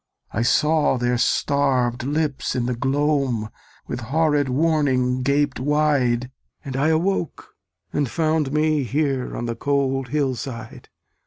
I saw their starv'd lips in the gloam With horrid warning gaped wide, And I awoke, and found me here On the cold hill side.